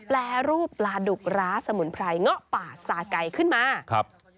แปรรูปปลาดุกร้าสมุนไพรเงาะป่าสาไก่ขึ้นมาครับ